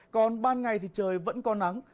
còn ban ngày thì trời vẫn có nắng